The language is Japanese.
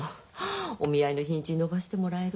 お見合いの日にち延ばしてもらえる？